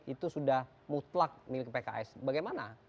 itu sudah mutlak milik pks bagaimana